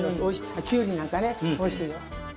キュウリなんかねおいしいよ。